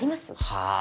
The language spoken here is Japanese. はあ？